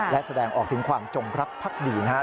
และแสดงออกถึงความจงรักภักดีนะครับ